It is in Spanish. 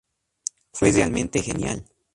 Fue realmente genial".